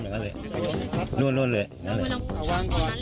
เขาโอเคเลยเนี้ยบอกว่าก่อนอ่ะเย้แค่นุ้งมาวางไว้ตอนนี้ก่อนใช่ไหม